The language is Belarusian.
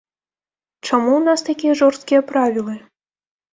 Чаму ў нас такія жорсткія правілы?